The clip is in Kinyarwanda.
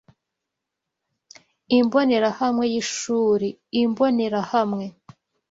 Imbonerahamwe y'Ishuri Imbonerahamwe